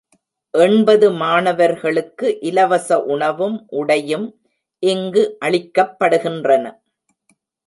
எண்பது மாணவர்களுக்கு இலவச உணவும் உடையும் இங்கு அளிக்கப்படுகின்றன.